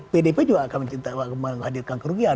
pdp juga akan menghadirkan kerugian